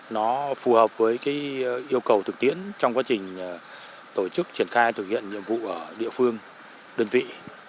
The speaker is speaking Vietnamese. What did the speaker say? nó phù hợp với cái yêu cầu thực tiễn trong quá trình tổ chức triển khai thực hiện nhiệm vụ ở địa phương đơn vị